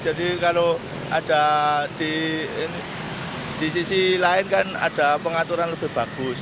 jadi kalau ada di sisi lain kan ada pengaturan lebih bagus